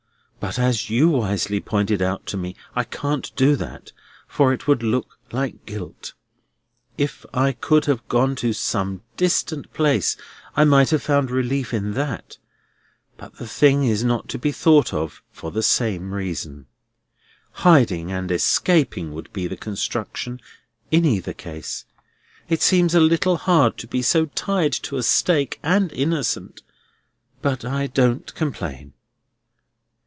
But as you wisely pointed out to me, I can't do that, for it would look like guilt. If I could have gone to some distant place, I might have found relief in that, but the thing is not to be thought of, for the same reason. Hiding and escaping would be the construction in either case. It seems a little hard to be so tied to a stake, and innocent; but I don't complain."